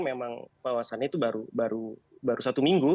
memang wawasannya itu baru satu minggu